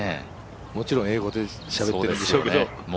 もちろん英語でしゃべってるんでしょうけど。